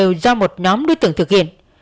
các vụ trộm cấp đều do một nhóm đối tượng thực hiện